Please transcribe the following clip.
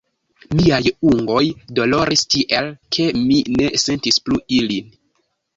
Miaj ungoj doloris tiel, ke mi ne sentis plu ilin.